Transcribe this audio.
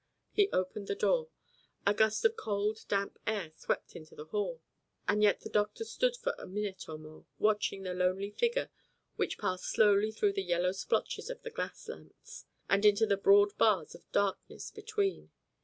He opened the door. A gust of cold, damp air swept into the hall. And yet the doctor stood for a minute or more watching the lonely figure which passed slowly through the yellow splotches of the gas lamps, and into the broad bars of darkness between.